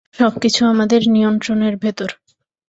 সবকিছু আমাদের নিয়ন্ত্রণের ভেতর।